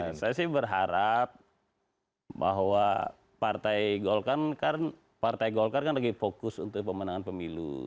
ya saya sih berharap bahwa partai golkar kan lagi fokus untuk pemenangan pemilu